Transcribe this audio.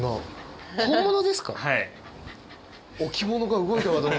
はい。